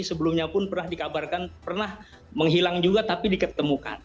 sebelumnya pun pernah dikabarkan pernah menghilang juga tapi diketemukan